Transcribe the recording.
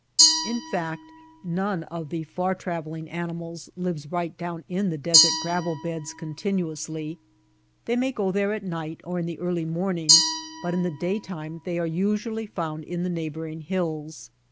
In fact, none of the far travelling animals lives right down in the desert gravel beds continu ously. They go there at night or in the early morning, but in the daytime they are usually found in the neighboring hills.